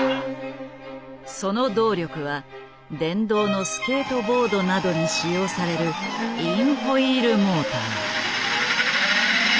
その動力は電動のスケートボードなどに使用されるインホイールモーター。